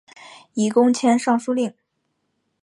以功迁尚书令。